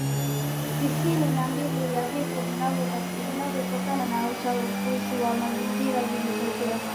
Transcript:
tisini na mbili ya vifo vinavyotokana na uchafuzi wa mazingira vilitokea